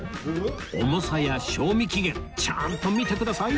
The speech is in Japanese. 重さや賞味期限ちゃんと見てください